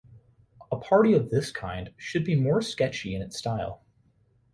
A party of this kind should be more sketchy in its style.